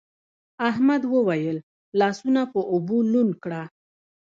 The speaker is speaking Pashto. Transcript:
احمد وويل: لاسونه په اوبو لوند کړه.